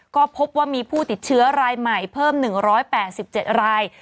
ก็พบว่ามีผู้ติดเชื้อรายใหม่เพิ่ม๑๘๗ราย